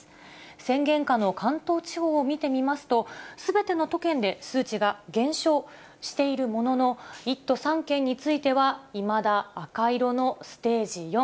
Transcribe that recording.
宣言下の関東地方を見てみますと、すべての都県で数値が減少しているものの、１都３県については、いまだ赤色のステージ４。